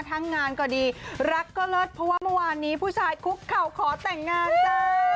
งานก็ดีรักก็เลิศเพราะว่าเมื่อวานนี้ผู้ชายคุกเข่าขอแต่งงานจ้า